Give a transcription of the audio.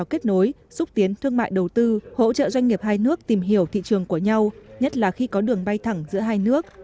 chủ tịch quốc hội kết nối xúc tiến thương mại đầu tư hỗ trợ doanh nghiệp hai nước tìm hiểu thị trường của nhau nhất là khi có đường bay thẳng giữa hai nước